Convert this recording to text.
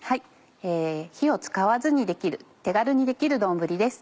火を使わずにできる手軽にできる丼です。